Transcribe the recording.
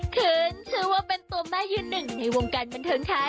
คืนชื่อว่าเป็นตัวแม่ยืนหนึ่งในวงการบันเทิงไทย